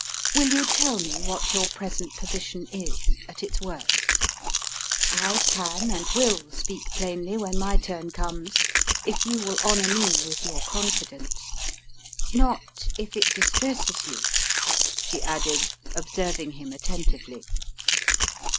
Will you tell me what your present position is at its worst? I can, and will, speak plainly when my turn comes, if you will honour me with your confidence. Not if it distresses you," she added, observing him attentively.